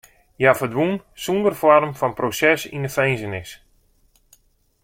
Hja ferdwûn sonder foarm fan proses yn de finzenis.